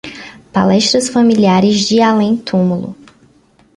Palestras familiares de além-túmulo